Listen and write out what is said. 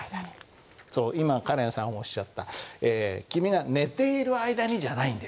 そう今カレンさんおっしゃった「君が寝ている間に」じゃないんだよね。